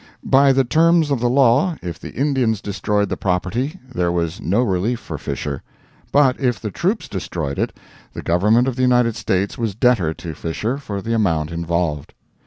By the terms of the law, if the Indians destroyed the property, there was no relief for Fisher; but if the troops destroyed it, the Government of the United States was debtor to Fisher for the amount involved.